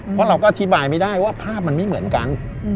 เพราะเราก็อธิบายไม่ได้ว่าภาพมันไม่เหมือนกัน